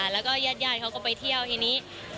แล้วก็ญาติเขาก็ไปเที่ยวทีนี้